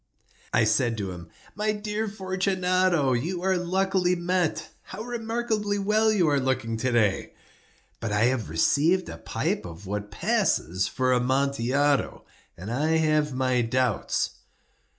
I said to him: "My dear Fortunato, you are luckily met. How remarkably well you are looking to day! But I have received a pipe of what passes for Amontillado, and I have my doubts."